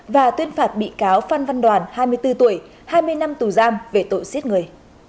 và tuyên phạt bị cáo phan văn đoàn hai mươi bốn tuổi hai mươi năm tù giam về tội giết người